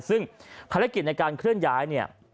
ซึ่งภารกิจในการเคลื่อนย้ายเนี่ย